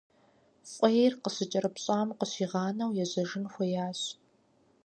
Фӏейр къыщыкӏэрыпщӏам къыщигъанэу ежьэжын хуеящ.